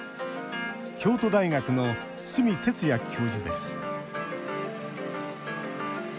京都大学の角哲也教授です。